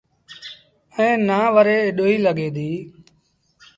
ائيٚݩ نا وري ايٚڏوئيٚ لڳي ديٚ۔